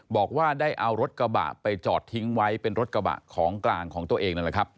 บอกว่าได้เอารถกระบะไปจอดทิ้งไว้เป็นรถกระบะของกลางของตัวเองนั่นแหละครับ